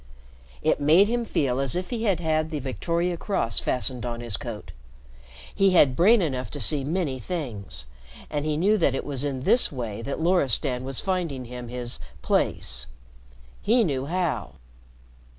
It made him feel as if he had had the Victoria Cross fastened on his coat. He had brain enough to see many things, and he knew that it was in this way that Loristan was finding him his "place." He knew how.